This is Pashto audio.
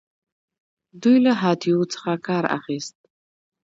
دوی له هاتیو څخه کار اخیست